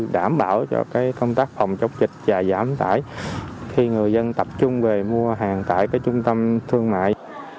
đảm bảo cho công tác phòng chống dịch và giảm tải khi người dân tập trung về mua hàng tại trung tâm thương mại